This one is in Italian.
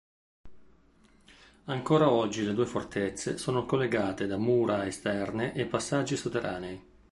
Ancora oggi le due fortezze sono collegate da mura esterne e passaggi sotterranei.